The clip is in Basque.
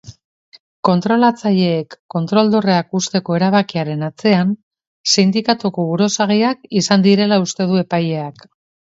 Kontrolatzaileek kontrol-dorreak uzteko erabakiaren atzean sindikatuko buruzagiak izan zirela uste du epaileak.